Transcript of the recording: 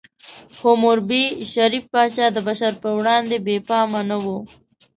حموربي، شریف پاچا، د بشر په وړاندې بې پامه نه و.